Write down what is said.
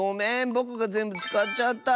ぼくがぜんぶつかっちゃった！